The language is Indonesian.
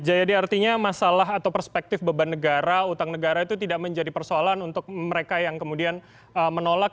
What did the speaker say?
jadi artinya masalah atau perspektif beban negara utang negara itu tidak menjadi persoalan untuk mereka yang kemudian menolak